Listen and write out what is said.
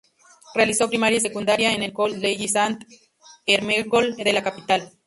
Realizó primaria y secundaria en el Col·legi Sant Ermengol de la capital.